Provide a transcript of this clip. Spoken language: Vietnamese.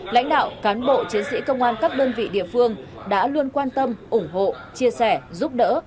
lãnh đạo cán bộ chiến sĩ công an các đơn vị địa phương đã luôn quan tâm ủng hộ chia sẻ giúp đỡ